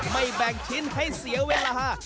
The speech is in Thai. แบ่งชิ้นให้เสียเวลา